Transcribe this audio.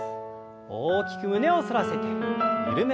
大きく胸を反らせて緩めます。